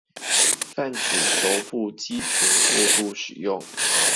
泛指肘部肌群過度使用